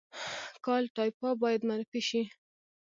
کالтура باید معرفي شي